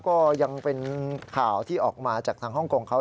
ก็ยังเป็นข่าวที่ออกมาจากทางฮ่องกงเขา